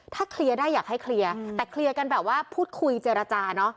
ถ้าเคลียร์ได้อยากให้เคลียร์แต่เคลียร์กันแบบว่าพูดคุยเจรจาเนอะ